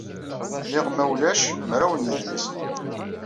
Liɣ, ma ulac, mraw n yidlisen.